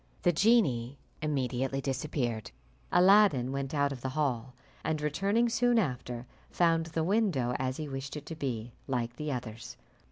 The genie immediately disappeared. Aladdin went out of the hall, and returning soon after, found the window, as he wished it to be, like the others.